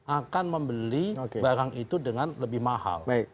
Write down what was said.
akan membeli barang itu dengan lebih mahal